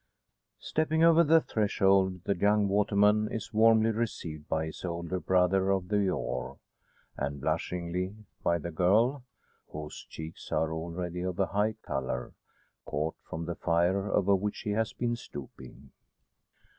Stepping over the threshold, the young waterman is warmly received by his older brother of the oar, and blushingly by the girl, whose cheeks are already of a high colour, caught from the fire over which she has been stooping.